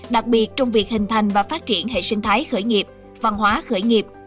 đặc biệt trong việc hình thành và phát triển hệ sinh thái khởi nghiệp văn hóa khởi nghiệp